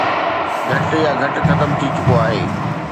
گهٽ يا گهٽ ختم ٿي چڪو آهي